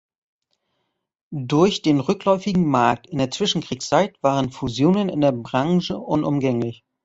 Durch den rückläufigen Markt in der Zwischenkriegszeit waren Fusionen in der Branche unumgänglich.